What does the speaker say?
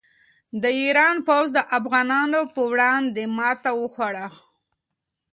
د ایران پوځ د افغانانو په وړاندې ماته وخوړه.